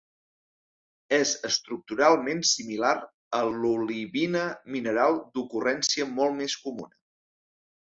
És estructuralment similar a l'olivina mineral d'ocurrència molt més comuna.